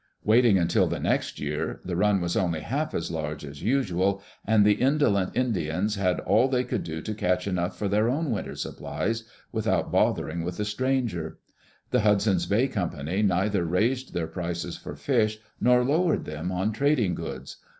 Waiting until the next year, the run was only half as large as usual, and the indolent In dians had all they could do to catch enough for their own winter supplies without bothering with a stranger. The Hudson's Bay Com pany neither raised their prices for fish, nor lowered them on trading goods.